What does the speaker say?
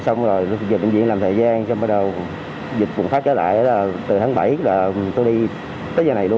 xong rồi bệnh viện làm thời gian dịch phùng phát trở lại là từ tháng bảy là tôi đi tới giờ này luôn